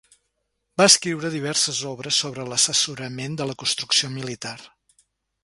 Va escriure diverses obres sobre l'assessorament de la construcció militar.